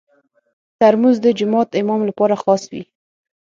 ترموز د جومات امام لپاره خاص وي.